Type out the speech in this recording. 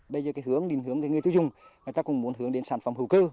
bây giờ hướng định hướng người tiêu dùng người ta cũng muốn hướng đến sản phẩm hữu cư